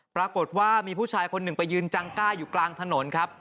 ปรากฏว่ามีผู้ชายคนหนึ่งไปยืนจังก้าอยู่กลางถนนครับ